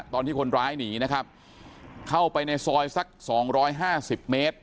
ตอนที่คนร้ายหนีนะครับเข้าไปในซอยสัก๒๕๐เมตร